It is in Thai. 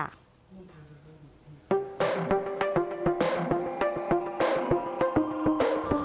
คุณบุคคลุมคาสมบัติพวายแก้อดีต